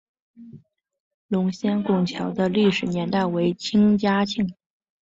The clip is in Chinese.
龙仙拱桥的历史年代为清嘉庆。